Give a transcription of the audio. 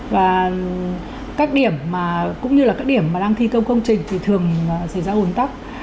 và các điểm mà cũng như là các điểm mà đang thi công công trình thì thường xảy ra ồn tắc